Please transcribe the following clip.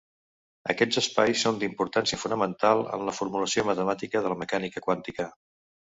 Aquests espais són d'importància fonamental en la formulació matemàtica de la mecànica quàntica.